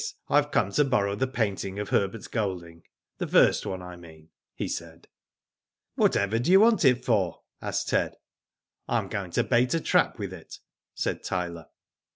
I have come to borrow the painting of Herbert Golding ; the first one I mean," he said. "Whatever do you want it for?" asked Ted. '* I am going to bait a trap with it," said Tyler.